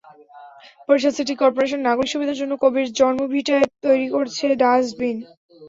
Barishal city corporation নাগরিক সুবিধার জন্য কবির জন্মভিটায় তৈরি করেছে ডাস্টবিন।